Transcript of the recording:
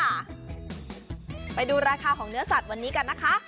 ไปดูราคาของเนื้อสัตว์วันนี้กันนะคะ